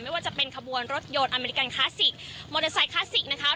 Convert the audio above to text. ไม่ว่าจะเป็นขบวนรถยนต์อเมริกันคลาสสิกมอเตอร์ไซคลาสสิกนะคะ